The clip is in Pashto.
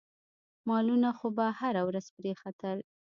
مالونه خو به هره ورځ پرې ختل.